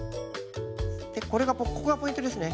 でこれがここがポイントですね。